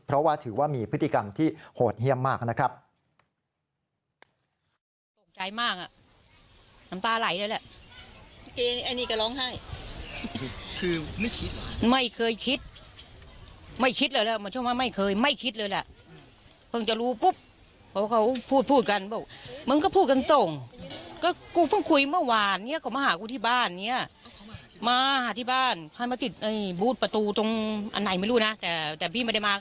เพราะว่าถือว่ามีพฤติกรรมที่โหดเยี่ยมมากนะครับ